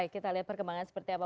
kita lihat perkembangan seperti apa